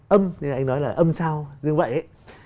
âm như anh nói là âm sao như vậy ấy